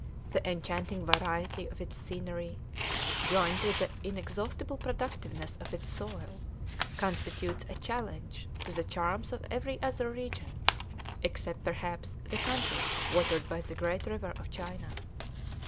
The enchanting variety of its scenery, joined to the inexhaustible productiveness of its soil, constitutes a challenge to the charms of every other region, except, perhaps, the country watered by the great river of China.